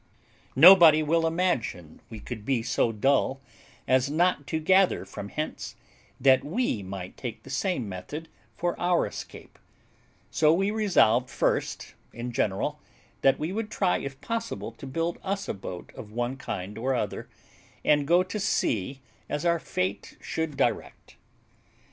Nobody will imagine we could be so dull as not to gather from hence that we might take the same method for our escape; so we resolved first, in general, that we would try if possible to build us a boat of one kind or other, and go to sea as our fate should direct.